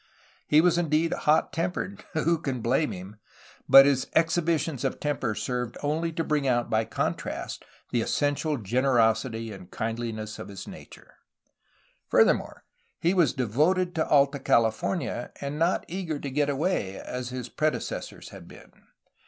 He was indeed hot tempered, — Who can blame him! — but his exhibitions of temper served only to bring out by contrast the essential generosity and kindhness of his nature. Furthermore, he was devoted to Alta California, and not eager to get away, as his predecessors had been.